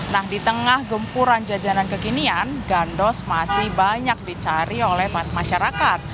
nah di tengah gempuran jajanan kekinian gandos masih banyak dicari oleh masyarakat